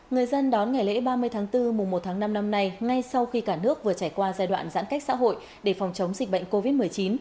người dân đón ngày lễ ba mươi tháng bốn mùa một tháng năm năm nay ngay sau khi cả nước vừa trải qua giai đoạn giãn cách xã hội để phòng chống dịch bệnh covid một mươi chín